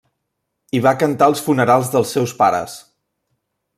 I va cantar als funerals dels seus pares.